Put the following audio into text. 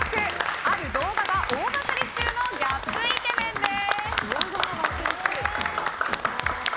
ある動画が大バズり中のギャップイケメンです。